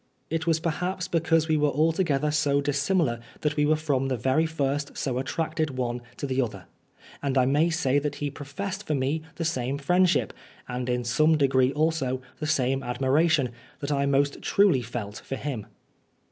It was perhaps because we were altogether so dissimilar that we were from Oscar Wilde the very first so attracted one to the other ; and I may say that he professed for me the same friendship, and in some degree also the same admiration, that I most truly felt for him.